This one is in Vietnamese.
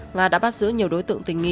nga đã bắt giữ nhiều đối tượng tình nghi